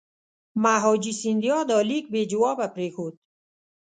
مهاجي سیندیا دا لیک بې جوابه پرېښود.